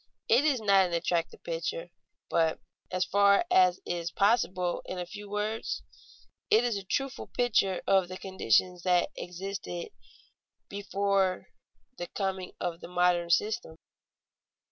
It is not an attractive picture, but, as far as is possible in a few words, it is a truthful picture of the conditions that existed before the coming of the modern system.